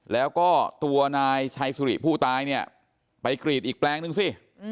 แล้วก็ตัวนายชัยสุริผู้ตายเนี่ยไปกรีดอีกแปลงนึงสิ